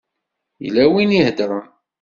Yella win i iheddṛen.